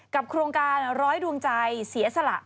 โครงการร้อยดวงใจเสียสละ